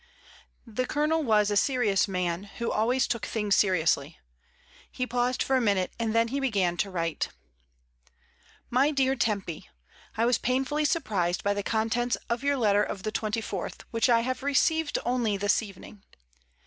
The Colonel was a serious man, who always took things seriously; he paused for a minute and then he began to write. "My dear Tempy, — I was painfully surprised by the contents of your letter of the 24th, which I have received only this evening.